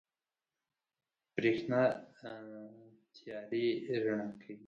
برېښنا تيارې رڼا کوي.